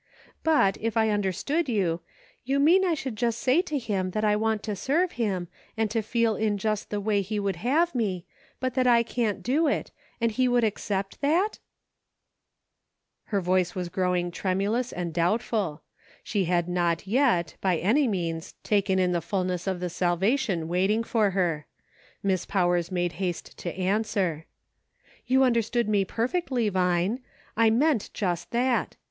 But, if I understood you, you mean I could just say to him that I want to serve him, and to feel in just the way he would have me, but that I can't do it — and he would accept that }" Her voice was groMdng tremulous and doubt ful ; she had not yet, by any means, taken in the fullness of the salvation waiting for her. Miss Powers made haste to answer :" You understood me perfectly, Vine. I meant just that.